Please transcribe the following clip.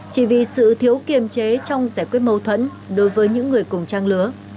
chỉ vì sự thiếu kiềm chế trong giải quyết mâu thuẫn đối với những người cùng trang lứa